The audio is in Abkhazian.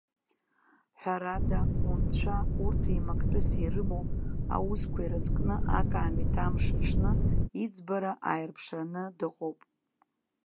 Ҳәарада, унцәа урҭ еимактәыс ирымоу аусқәа ирызкны акаамеҭ амш аҽны иӡбара ааирԥшраны дыҟоуп.